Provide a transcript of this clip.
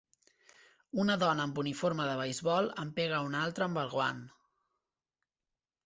Una dona amb uniforme de beisbol en pega una altra amb el guant.